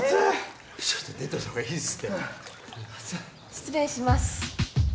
・失礼します。